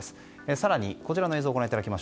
更に、こちらの映像です。